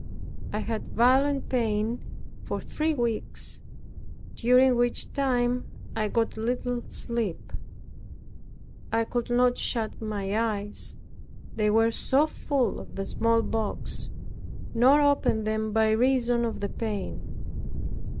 I had violent pains for three weeks during which time I got little sleep. I could not shut my eyes, they were so full of the smallpox, nor open them by reason of the pain.